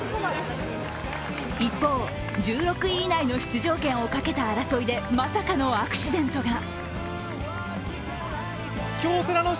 一方、１６位以内の出場権を懸けた争いでまさかのアクシデントが。